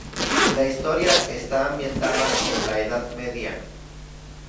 La historia está ambientada en la Edad Media.